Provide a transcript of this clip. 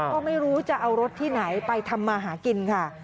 ก็ไม่รู้จะเอารถที่ไหนไปทำมาหากินค่ะ